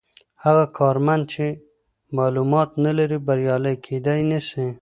هغه کارمند چې معلومات نلري بریالی کیدای نسي.